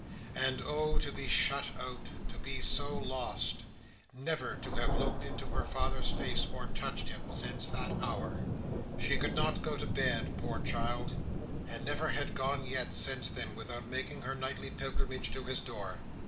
And oh, to be shut out: to be so lost: never to have looked into her father's face or touched him, since that hour! She could not go to bed, poor child, and never had gone yet, since then, without making her nightly pilgrimage to his door.